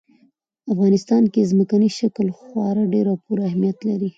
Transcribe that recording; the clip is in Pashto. په افغانستان کې ځمکنی شکل خورا ډېر او پوره اهمیت لري.